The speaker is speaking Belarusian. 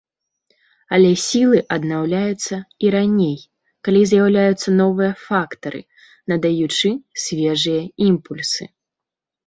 Але сілы аднаўляюцца і раней, калі з'яўляюцца новыя фактары, надаючы свежыя імпульсы.